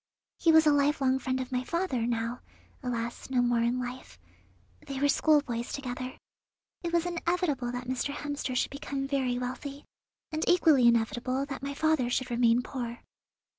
He was a lifelong friend of my father, now, alas, no more in life. They were schoolboys together. It was inevitable that Mr. Hemster should become very wealthy, and equally inevitable that my father should remain poor.